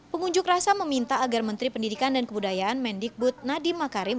pengunjuk rasa meminta agar menteri pendidikan dan kebudayaan mendikbud nadiem makarim